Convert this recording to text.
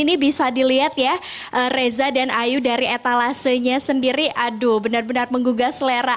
ini bisa dilihat ya reza dan ayu dari etalasenya sendiri aduh benar benar menggugah selera